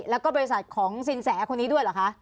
แล้วก็บริษัทของสินแสคนนี้ด้วยเหรอคะ